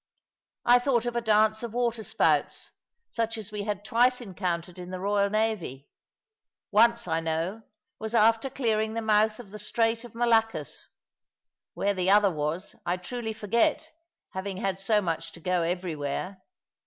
I thought of a dance of waterspouts, such as we had twice encountered in the royal navy; once, I know, was after clearing the mouth of the Strait of Malaccas; where the other was I truly forget, having had so much to go everywhere.